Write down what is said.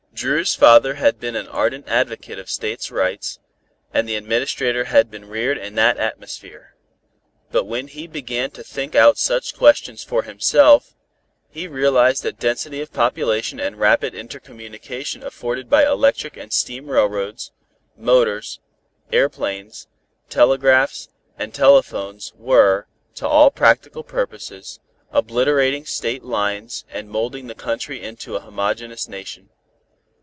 Dru's father had been an ardent advocate of State rights, and the Administrator had been reared in that atmosphere; but when he began to think out such questions for himself, he realized that density of population and rapid inter communication afforded by electric and steam railroads, motors, aeroplanes, telegraphs and telephones were, to all practical purposes, obliterating State lines and molding the country into a homogeneous nation.